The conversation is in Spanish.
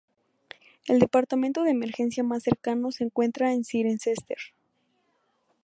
El Departamento de Emergencia más cercano se encuentra en Cirencester.